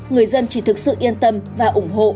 người dân chỉ thực sự yên tâm và ủng hộ